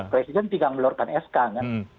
presiden tinggal mengeluarkan sk kan